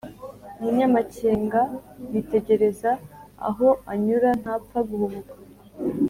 Umunyamakenga yitegereza aho anyura ntapfa guhubuka